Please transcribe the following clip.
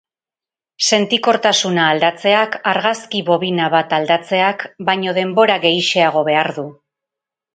Sentikortasuna aldatzeak argazki-bobina bat aldatzeak baino denbora gehixeago behar du.